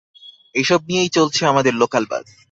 এসব নিয়েই চলছে আমাদের লোকাল বাস।